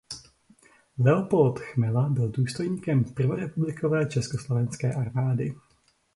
Leopold Chmela byl důstojníkem prvorepublikové československé armády.